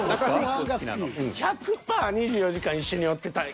１００パー２４時間一緒におってたい。